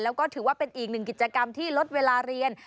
แล้วก็ถือว่าเป็นอีกหนึ่งกิจกรรมที่ลดเวลาเรียน